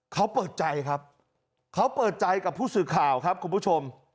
เขาเปิดใจครับเขาเปิดใจกับผู้สื่อข่าวครับคุณผู้ชม